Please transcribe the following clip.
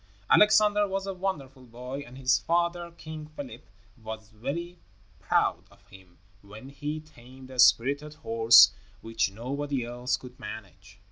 Alexander was a wonderful boy, and his father, King Philip, was very proud of him when he tamed a spirited horse which nobody else could manage.